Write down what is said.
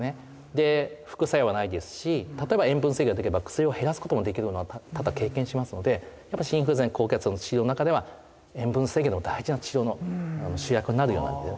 で副作用はないですし例えば塩分制限ができれば薬を減らすこともできるのは多々経験しますので心不全高血圧の治療の中では塩分制限も大事な治療の主役になるようになってる。